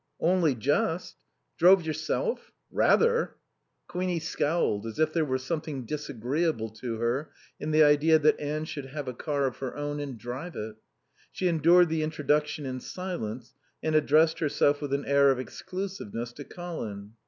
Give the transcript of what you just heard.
"Only just." "Drove yourself?" "Rather." Queenie scowled as if there were something disagreeable to her in the idea that Anne should have a car of her own and drive it. She endured the introduction in silence and addressed herself with an air of exclusiveness to Colin.